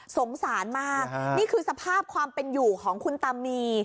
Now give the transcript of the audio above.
สงสารมากนี่คือสภาพความเป็นอยู่ของคุณตามี